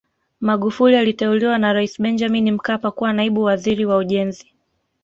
Magufuli aliteuliwa na Rais Benjamin Mkapa kuwa naibu waziri wa ujenzi